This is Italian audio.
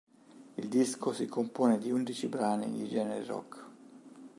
Il disco si compone di undici brani di genere rock.